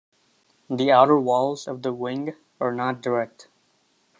The outer walls of the Wing are not direct.